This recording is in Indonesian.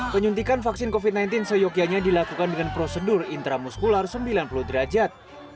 penyuntikan vaksin covid sembilan belas seyokianya dilakukan dengan prosedur intramuskular sembilan puluh derajat